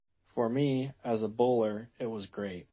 For me, as a bowler, it was great.